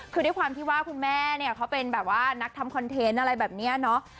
คือด้วยความที่ว่าคุณแม่เนี่ยเขาเป็นแบบว่านักทำคอนเทนต์อะไรแบบนี้เนาะ